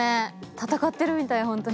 戦ってるみたい本当に。